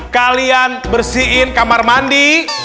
kalian bersihin kamar mandi